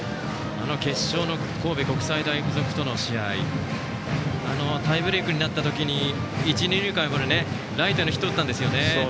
決勝の神戸国際大付属との試合タイブレークになった時に一、二塁間を破るライトへのヒットを打ったんですよね。